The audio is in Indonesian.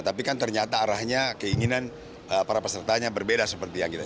tapi kan ternyata arahnya keinginan para pesertanya berbeda seperti yang kita